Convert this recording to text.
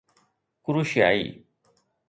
ڪروشيائي